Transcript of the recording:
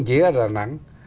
chỉ ở đà nẵng